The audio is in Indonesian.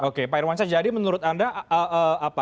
oke pak irwansyah jadi menurut anda apa